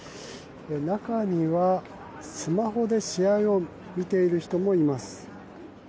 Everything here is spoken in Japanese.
中には、スマホで試合を見ている人もいます。